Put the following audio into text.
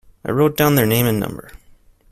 I wrote down their name and number.